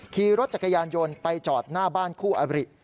ขี่รถจักรยานยนต์ไปจอดหน้าบ้านคู่อบริ